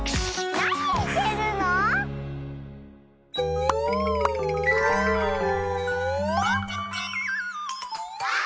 なにしてるの⁉わあ！